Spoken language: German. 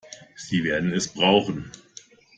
Sie werden es brauchen.